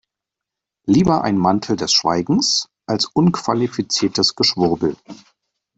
Lieber ein Mantel des Schweigens als unqualifiziertes Geschwurbel.